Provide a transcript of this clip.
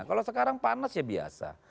kalau sekarang panas ya biasa